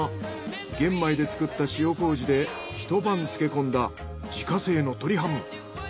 玄米で作った塩麹で一晩漬け込んだ自家製の鶏ハム。